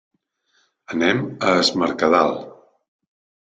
Anem a es Mercadal.